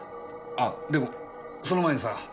あでもその前にさ